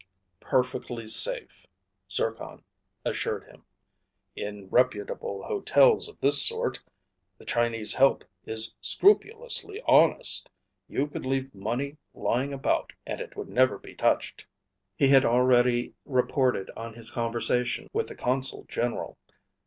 "Perfectly safe," Zircon assured him. "In reputable hotels of this sort, the Chinese help is scrupulously honest. You could leave money lying about and it would never be touched." He had already reported on his conversation with the consul general.